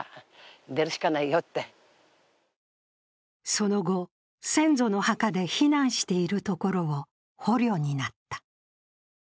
その後、先祖の墓で避難しているところを捕虜になった。